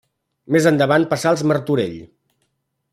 Més endavant passà als Martorell.